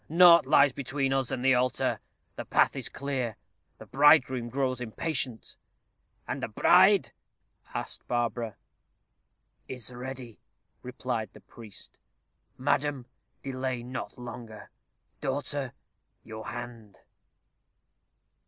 Naught lies between us and the altar. The path is clear. The bridegroom grows impatient." "And the bride?" asked Barbara. "Is ready," replied the priest. "Madam, delay not longer. Daughter, your hand."